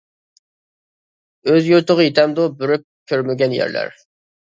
ئۆز يۇرتىغا يىتەمدۇ، بېرىپ كۆرمىگەن يەرلەر.